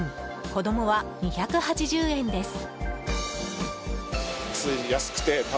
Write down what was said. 子供は２８０円です。